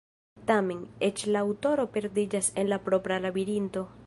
Tamen, eĉ la aŭtoro perdiĝas en la propra labirinto.